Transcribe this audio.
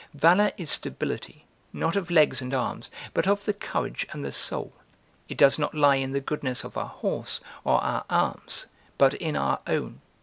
Valour is stability, not of legs and arms, but of the courage and the soul; it does not lie in the goodness of our horse or our arms but in our own.